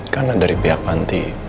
karena dari pihak panti